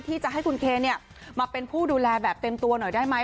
ที่จะให้คุณเคมาเป็นผู้ดูแลแบบเต็มตัวหน่อยได้ไหม